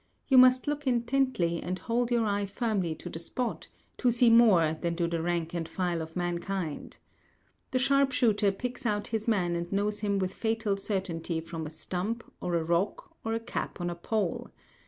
You must look intently and hold your eye firmly to the spot, to see more than do the rank and file of mankind. The sharpshooter picks out his man and knows him with fatal certainty from a stump, or a rock, or a cap on a pole.